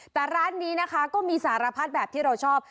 แต่ร้านนี้นะคะก็มีสารพัดแบบที่เราชอบ